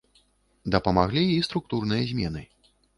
Дапамаглі і структурныя змены.